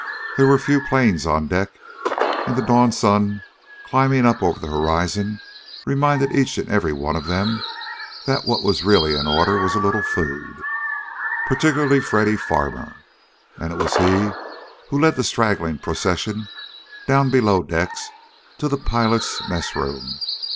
There were few planes on deck, and the dawn sun climbing up over the horizon reminded each and every one of them that what was really in order was a little food. Particularly Freddy Farmer, and it was he who led the straggling procession down below decks to the pilots' mess room.